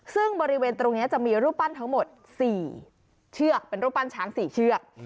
ซึ่งบริเวณตรงนี้จะมีรูปปั้นทั้งหมด๔เชือกเป็นรูปปั้นช้าง๔เชือก